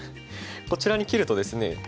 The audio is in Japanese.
こちらに切るとですね